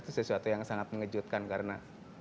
itu sesuatu yang sangat mengejutkan karena